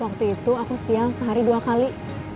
waktu itu aku siang sehari dua kali